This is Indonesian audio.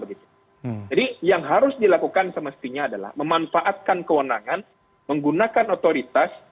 jadi yang harus dilakukan semestinya adalah memanfaatkan kewenangan menggunakan otoritas